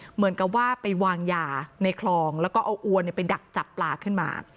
เหมือนกับว่าไปวางยาในคลองแล้วก็เอาอวนไปดักจับปลาขึ้นมา